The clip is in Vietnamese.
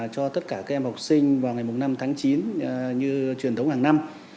cho tất cả các em học sinh vào ngày năm tháng chín như truyền thống hàng năm